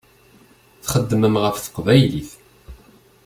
Txeddmem ɣef teqbaylit.